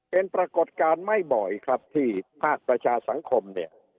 เป็นปรากฏการณ์ไม่บ่อยครับที่ภาคประชาสังคมเนี่ย